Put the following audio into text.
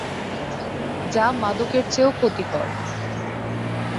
যা মাদকের চেয়েও খতিকর।